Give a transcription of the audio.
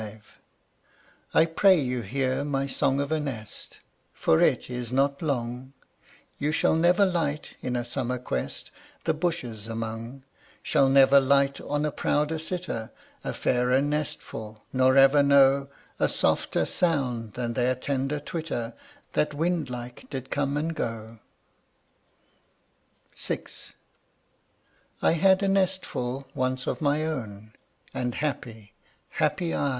V. I pray you hear my song of a nest, For it is not long: You shall never light, in a summer quest The bushes among Shall never light on a prouder sitter, A fairer nestful, nor ever know A softer sound than their tender twitter That wind like did come and go. VI. I had a nestful once of my own, Ah happy, happy I!